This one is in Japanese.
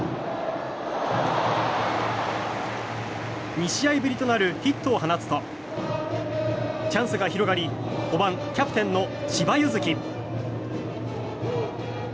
２試合ぶりとなるヒットを放つとチャンスが広がり５番、キャプテンの千葉柚樹。